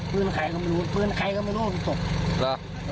ปืนใครก็ไม่รู้ปืนใครก็ไม่รู้เป็นศพเหรอ